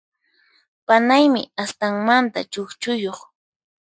Panaymi astanmanta chukchuyuq.